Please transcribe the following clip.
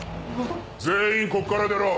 全員ここから出ろ！